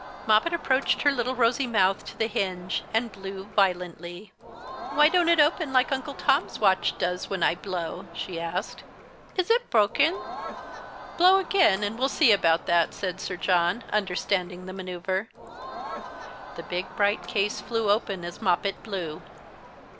Moppet approached her little rosy mouth to the hinge and blew violently. "Why don't it open as Uncle Tom's watch does when I blow?" she asked. "Is it broken?" "Blow again, and we'll see about that," said Sir John, understanding the manoeuvre. The big bright case flew open as Moppet blew.